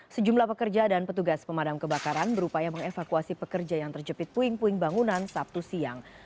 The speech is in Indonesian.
sejumlah pekerja dan petugas pemadam kebakaran berupaya mengevakuasi pekerja yang terjepit puing puing bangunan sabtu siang